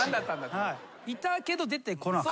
いたけど出てこなかった。